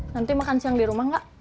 nanti makan siang di rumah nggak